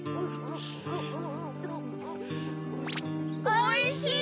おいしい！